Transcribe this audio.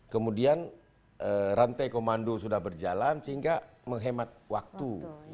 kemudian rantai komando sudah berjalan sehingga menghemat waktu